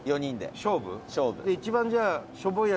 勝負。